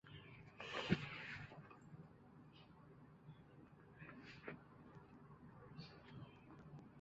而目前则多将暴龙的步态重建成与地面保持水平的状态。